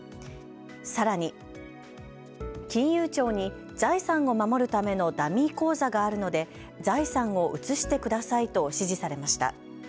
さらに金融庁に財産を守るためのダミー口座があるので財産を移してくださいと指示されました。